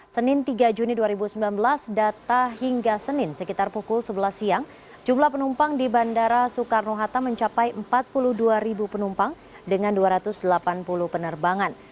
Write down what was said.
senin tiga juni dua ribu sembilan belas data hingga senin sekitar pukul sebelas siang jumlah penumpang di bandara soekarno hatta mencapai empat puluh dua penumpang dengan dua ratus delapan puluh penerbangan